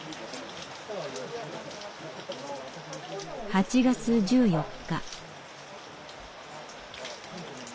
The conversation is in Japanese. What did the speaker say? ８月１４日。